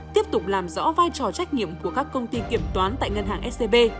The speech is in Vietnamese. tiếp tục làm rõ vai trò trách nhiệm của các công ty kiểm toán tại ngân hàng scb